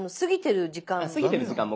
過ぎてる時間も。